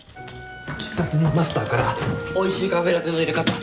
喫茶店のマスターからおいしいカフェラテの入れ方教わったの。